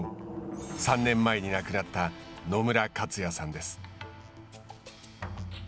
３年前に亡くなった野村克也さんです。